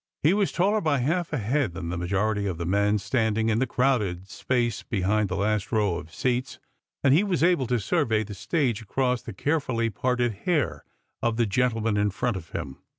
He was taller by half a liead than the majority of the men standing in the crowded Bfiace behind the lust row of seats, and he was able to survey the stage across the carefully parted hair of the gentleman in fro'it of him.